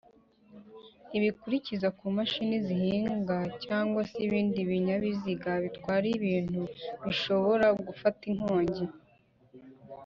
ntibikurikizwa kumashini zihinga cg se ibindi binyabiziga bitwara ibintu bishobora gufata inkongi